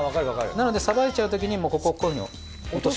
なのでさばいちゃうときにここをこういうふうに落とす。